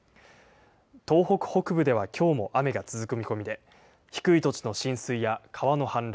東北北部ではきょうも雨が続く見込みで低い土地の浸水や川の氾濫